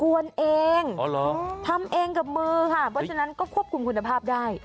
วนเองทำเองกับมือค่ะเพราะฉะนั้นก็ควบคุมคุณภาพได้